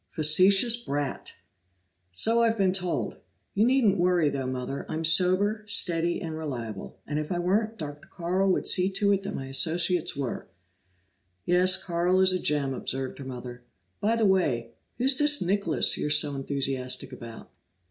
"Facetious brat!" "So I've been told. You needn't worry, though, Mother; I'm sober, steady, and reliable, and if I weren't, Dr. Carl would see to it that my associates were." "Yes; Carl is a gem," observed her mother. "By the way, who's this Nicholas you're so enthusiastic about?"